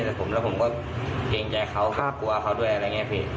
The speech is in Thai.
แต่ผมแล้วผมก็เกรงใจเขากลัวเขาด้วยอะไรอย่างนี้พี่